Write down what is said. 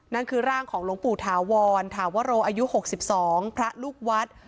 นั่นคือร่างของหลวงปู่ถาวรถาวโรอายุ๖๒พระลูกวัด